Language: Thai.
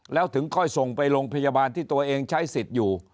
แล้วถึงค่อยส่งไปโรงพยาบาลที่ตัวเองใช้สิทธิ์อยู่